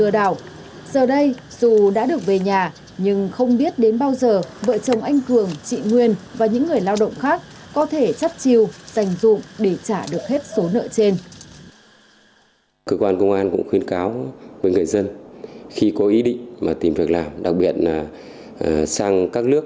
từ campuchia trở về nhà vợ chồng anh cường chị nguyên ở xã chùa hữu huyện lục ngạn tỉnh bắc giang